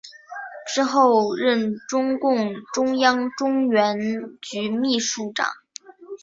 之后任中共中央中原局秘书长。